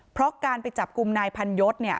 เพราะการไปจับกลุ่มนายพันยศ